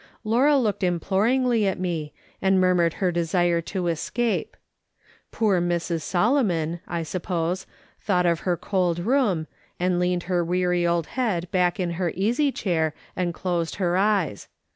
Laura looked im ploringly at me, and murmured her desire to escape. Poor Mrs. Solomon, I suppose, thought of her cold room, and leaned her weary old head back in her easy chair and closed her eyes.